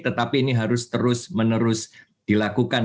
tetapi ini harus terus menerus dilakukan